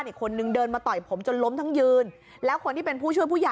จ้ะหนูรักไม่ได้จริงจ้ะหนูรักไม่ได้จริงจ้ะ